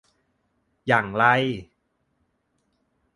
อย่างไร ?